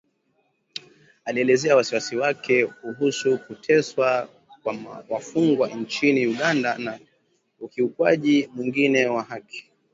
alielezea wasiwasi wake kuhusu kuteswa kwa wafungwa nchini Uganda na ukiukwaji mwingine wa haki